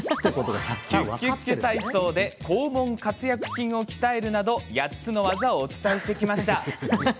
ＱＱＱ体操で肛門括約筋を鍛えるなど８つの技をお伝えしてきました。